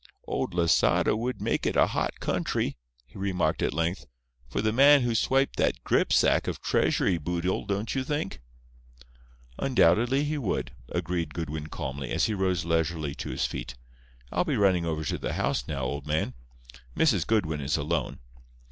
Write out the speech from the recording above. "Old Losada would make it a hot country," he remarked at length, "for the man who swiped that gripsack of treasury boodle, don't you think?" "Undoubtedly, he would," agreed Goodwin calmly, as he rose leisurely to his feet. "I'll be running over to the house now, old man. Mrs. Goodwin is alone.